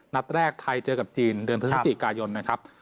นัดแรกไทยเจอกับจีนเดือนพฤศจิกายนนะครับ